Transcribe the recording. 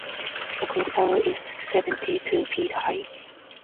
The clock tower is seventy-two feet high.